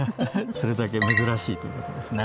それだけ珍しいという事ですね。